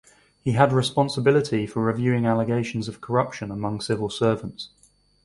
He had responsibility for reviewing allegations of corruption among civil servants.